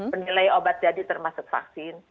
penilai obat jadi termasuk vaksin